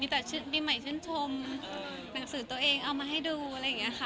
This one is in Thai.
แต่ปีใหม่ชื่นชมหนังสือตัวเองเอามาให้ดูอะไรอย่างนี้ค่ะ